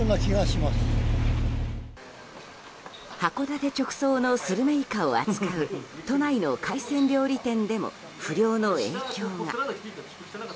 函館直送のスルメイカを扱う都内の海鮮料理店でも不漁の影響が。